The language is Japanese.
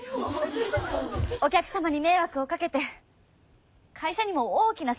お客様に迷惑をかけて会社にも大きな損害を与えた。